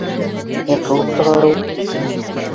Ә ҡыуып сығарыу